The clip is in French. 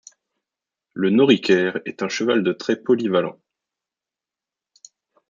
Le Noriker est un cheval de trait polyvalent.